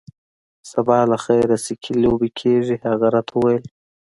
سبا له خیره سکی لوبې کیږي. هغه راته وویل.